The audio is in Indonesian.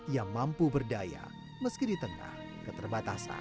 ia mampu berdaya meski di tengah keterbatasan